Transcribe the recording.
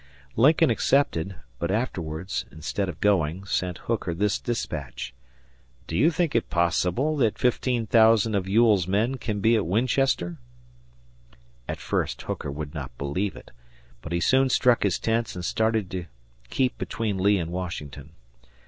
Lincoln accepted, but afterwards, instead of going, sent Hooker this dispatch, "Do you think it possible that 15,000 of Ewell's men can be at Winchester?" At first Hooker would not believe it, but he soon struck his tents and started to keep between Lee and Washington.